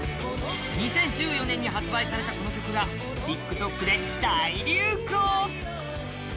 ２０１４年に発売された、この曲がＴｉｋＴｏｋで大流行！